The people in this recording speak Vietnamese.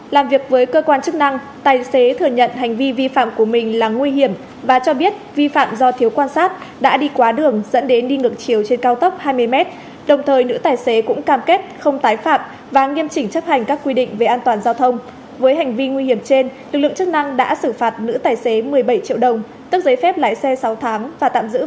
làm việc với cơ quan chức năng tài xế thừa nhận hành vi vi phạm của mình là nguy hiểm và cho biết vi phạm do thiếu quan sát đã đi quá đường dẫn đến đi ngược chiều trên cao tốc hai mươi m đồng thời nữ tài xế cũng cam kết không tái phạm và nghiêm chỉnh chấp hành các quy định về an toàn giao thông với hành vi nguy hiểm trên lực lượng chức năng đã xử phạt nữ tài xế một mươi bảy triệu đồng tức giấy phép lái xe sáu tháng và tạm giữ phương tiện bảy ngày